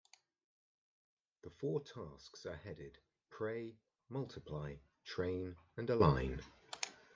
The four tasks are headed: Pray, Multiply, Train and Align.